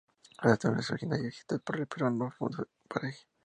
La telenovela es original y escrita por el peruano Alfonso Pareja.